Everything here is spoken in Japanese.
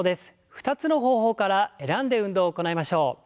２つの方法から選んで運動を行いましょう。